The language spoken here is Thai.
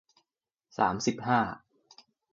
สามสิบห้า